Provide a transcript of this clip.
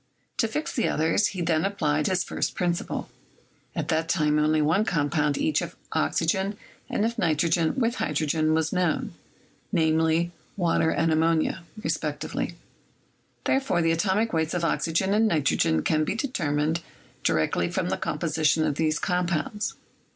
To fix the others, he then applied his first principle. At that time only one compound each of oxygen and of nitrogen with hydrogen was known, viz., water and ammonia, respectively; therefore, the atomic weights of oxygen and nitrogen can be determined directly from the composition of these compounds.